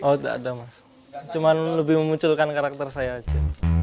oh ada mas cuma lebih memunculkan karakter saya aja